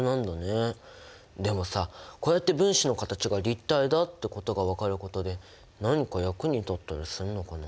でもさこうやって分子の形が立体だってことが分かることで何か役に立ったりするのかな？